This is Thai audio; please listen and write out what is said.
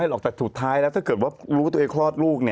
หลังจากสุดท้ายถ้าเกิดว่ารู้ว่าใครคลอดลูก